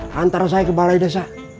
hantar saya ke balai desa